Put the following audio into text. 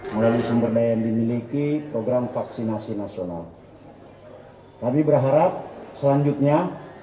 melalui sumber daya yang dimiliki program vaksinasi nasional kami berharap selanjutnya